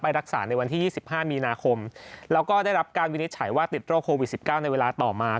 รักษาในวันที่๒๕มีนาคมแล้วก็ได้รับการวินิจฉัยว่าติดโรคโควิด๑๙ในเวลาต่อมา